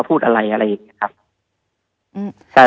สุดท้ายสุดท้าย